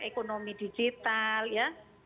ekonomi digital ya